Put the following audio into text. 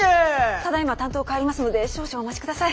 ただいま担当を代わりますので少々お待ち下さい。